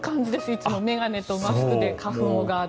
いつも眼鏡とマスクで花粉をガード。